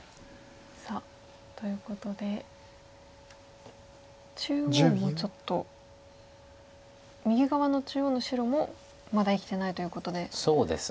さあということで中央もちょっと右側の中央の白もまだ生きてないということで。